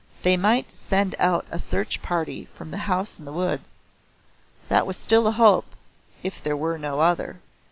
They might send out a search party from The House in the Woods that was still a hope, if there were no other.